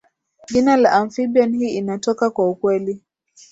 jina la amphibian hii inatoka kwa ukweli